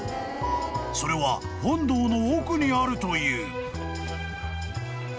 ［それは本堂の奥にあるという］